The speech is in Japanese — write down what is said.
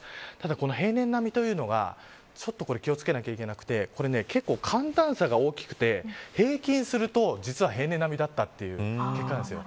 ただ、この平年並みというのがちょっとこれ、気を付けなきゃいけなくて結構寒暖差が大きくて平均すると実は平年並みだったという結果なんですよ。